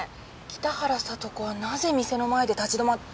北原さと子はなぜ店の前で立ち止まって。